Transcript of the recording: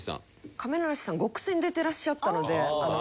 亀梨さん『ごくせん』出てらっしゃったので。